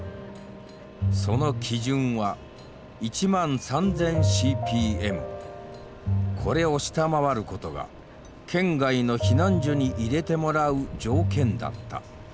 その基準はこれを下回ることが県外の避難所に入れてもらう条件だった。